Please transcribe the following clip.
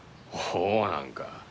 ほうなんか。